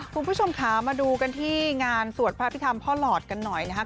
คุณผู้ชมค่ะมาดูกันที่งานสวดพระพิธรรมพ่อหลอดกันหน่อยนะครับ